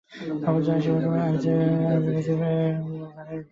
সর্বজয়া হাসিমুখে বলিল, আজ বুঝি বারের পুজো?